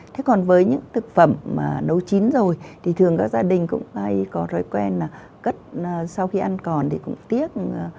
thế còn với những thực phẩm mà nấu chín rồi thì thường các gia đình cũng phải có thói quen là cất sau khi ăn còn thì cũng tiếc